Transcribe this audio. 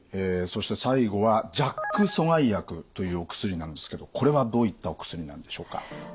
そして最後はＪＡＫ阻害薬というお薬なんですけどこれはどういったお薬なんでしょうか？